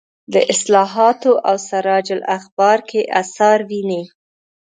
د اصلاحاتو او سراج الاخبار کې اثر ویني.